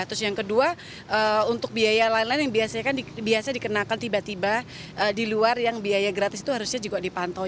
terus yang kedua untuk biaya lain lain yang biasanya kan biasa dikenakan tiba tiba di luar yang biaya gratis itu harusnya juga dipantau